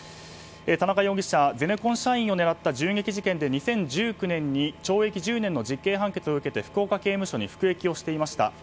田中容疑者ゼネコン社員を狙った銃撃事件で２０１９年に懲役１０年の実刑判決を受けて福岡刑務所に服役していました。